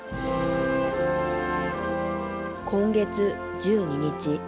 今月１２日。